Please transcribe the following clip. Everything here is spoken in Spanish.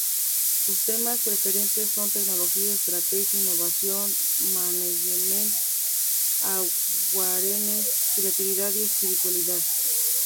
Sus temas preferentes son tecnología, estrategia, innovación, management, awareness, creatividad, y espiritualidad.